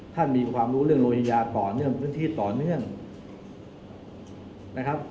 ท่านมีความรู้เรื่องโลหิยาต่อเนื่องพื้นที่ต่อเนื่องนะครับ